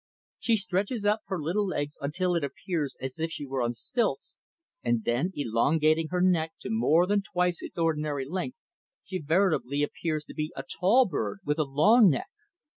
She stretches up her little legs until it appears as if she were on stilts, and then, elongating her neck to more than twice its ordinary length, she veritably appears to be a tall bird with a long neck.